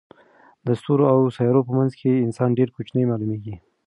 د ستورو او سیارو په منځ کې انسان ډېر کوچنی معلومېږي.